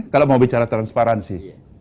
kalau mau bicara transparansi